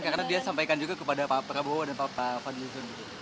karena dia sampaikan juga kepada pak prabowo dan pak fadli zun